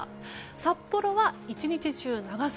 札幌は１日中、長袖。